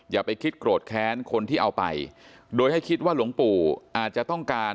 อย่าไปคิดโกรธแค้นคนที่เอาไปโดยให้คิดว่าหลวงปู่อาจจะต้องการ